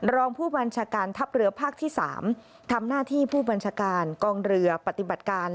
รองผู้บัญชาการทัพเรือภาคที่๓ทำหน้าที่ผู้บัญชาการกองเรือปฏิบัติการ